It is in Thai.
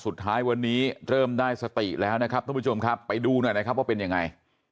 สุดท้ายวันนี้เริ่มได้สติแล้วนะครับทุกผู้ชมครับไปดูหน่อยนะครับว่าเป็นยังไง